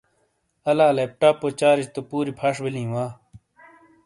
الا لیپ ٹاپو چارج تو پُوری پھش بیلیں وا۔